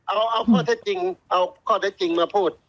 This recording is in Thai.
เอาข้อแท้จริงมาพูด